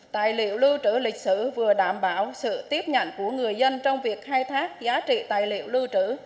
tài liệu lưu trữ lịch sử vừa đảm bảo sự tiếp nhận của người dân trong việc khai thác giá trị tài liệu lưu trữ